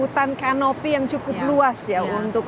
tapi yang cukup luas ya untuk